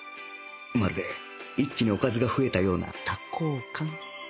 まるで一気におかずが増えたような多幸感フフッ！